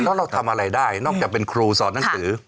แล้วเราทำอะไรได้นอกจากเป็นครูสอนหนังสือ